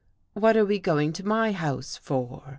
"What are we going to my house for?"